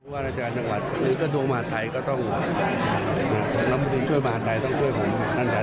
การเอาชีวิตกันเลยอย่างนี้มันไม่ได้ครับ